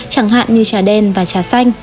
chẳng hạn như trà đen và trà xanh